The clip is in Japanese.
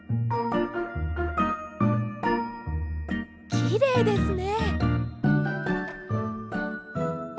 きれいですね。